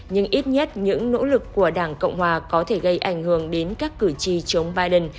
nhưng ít nhất những nỗ lực của đảng cộng hòa có thể gây ảnh hưởng đến các cử tri biden